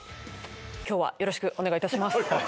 今日はよろしくお願いいたします